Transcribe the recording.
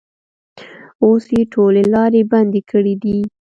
اوس یې ټولې لارې بندې کړې دي.